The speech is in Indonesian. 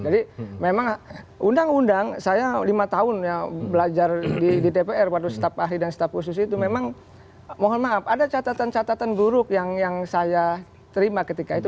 jadi memang undang undang saya lima tahun belajar di dpr waktu staf ahli dan staf khusus itu memang mohon maaf ada catatan catatan buruk yang saya terima ketika itu